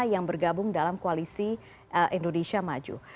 yang bergabung dalam koalisi indonesia maju